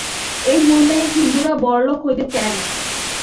এই মূল্যে হিন্দুরা বড়লোক হইতে চায় না।